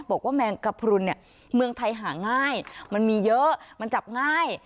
แมงกระพรุนเนี่ยเมืองไทยหาง่ายมันมีเยอะมันจับง่าย